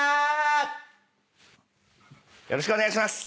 よろしくお願いします。